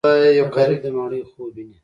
غریب د ماڼیو خوب ویني